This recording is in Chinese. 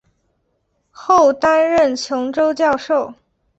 后担任琼州教授。